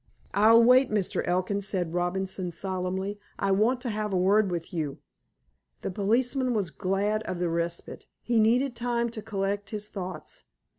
"I'll wait, Mr. Elkin," said Robinson solemnly. "I want to have a word with you." The policeman was glad of the respite. He needed time to collect his thoughts.